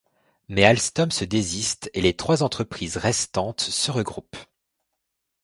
Mais Alstom se désiste et les trois entreprises restantes se regroupent.